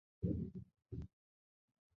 比赛采用单淘汰制。